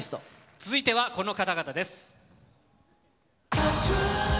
続いてはこの方々です。